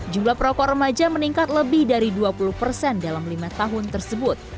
jumlah perokok remaja meningkat lebih dari dua puluh persen dalam lima tahun tersebut